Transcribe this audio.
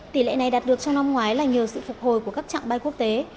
tỷ lệ này đạt được trong năm ngoái là nhờ sự phục hồi của các trạng bay quốc tế